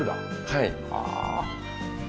はい。